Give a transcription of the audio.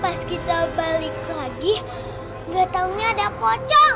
pas kita balik lagi gak taunya ada pocong